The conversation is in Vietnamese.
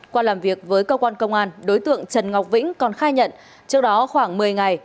qua làm việc với cơ quan công an đối tượng trần ngọc vĩnh còn khai nhận trước đó khoảng một mươi ngày